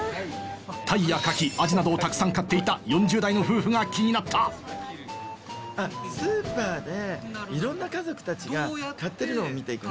タイやカキアジなどをたくさん買っていた４０代の夫婦が気になったスーパーでいろんな家族たちが買ってるのを見ていくんですか？